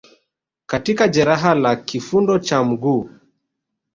katika jeraha la kifundo cha mguu